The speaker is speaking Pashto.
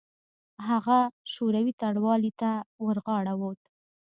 هغه شوروي ټلوالې ته ورغاړه وت.